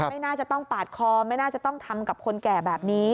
ไม่น่าจะต้องปาดคอไม่น่าจะต้องทำกับคนแก่แบบนี้